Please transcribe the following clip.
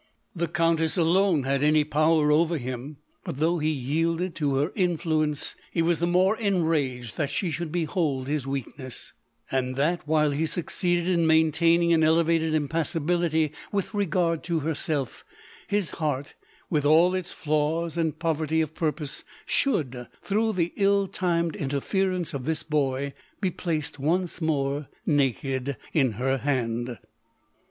The Countess alone had any power over him ; but though he yielded to her influence, he was the more enraged that she should behold his weakness ; and that while he succeeded in main taining an elevated impassibility with regard to herself, his heart, with all its flaws and poverty of purpose, should, through the ill timed inter ference of this boy, be placed once more naked in her hand.